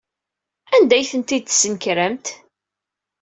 Anda ay tent-id-tesnekremt?